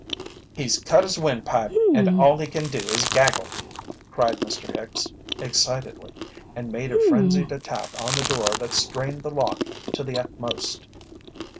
"He's cut his wind pipe and all he can do is gaggle!" cried Mr. Hicks, excitedly, and made a frenzied attack on the door that strained the lock to the utmost.